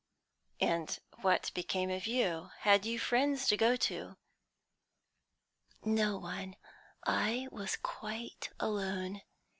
"And what became of you? Had you friends to go to?" "No one; I was quite alone.